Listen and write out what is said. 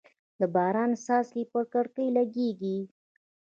د باران څاڅکي پر کړکۍ لګېږي.